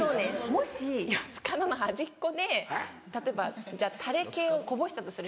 もし四つ角の端っこで例えばじゃあタレ系をこぼしたとする。